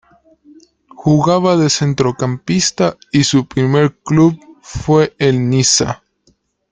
Jugaba de centrocampista y su primer club fue el Niza.